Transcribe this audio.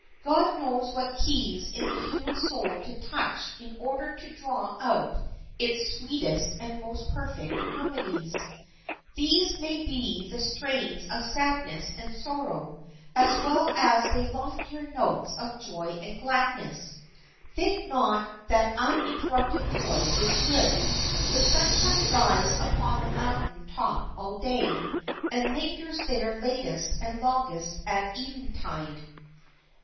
God knows what keys in the human soul to touch in order to draw out its sweetest and most perfect harmonies. These may be the strains of sadness and sorrow as well as the loftier notes of joy and gladness. Think not that uninterrupted joy is good. The sunshine lies upon the mountain top all day, and lingers there latest and longest at eventide.